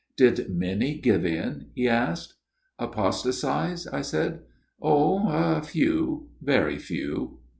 ' Did many give in ?' he asked. "' Apostatize ?' I said. ' Oh, a few very few.'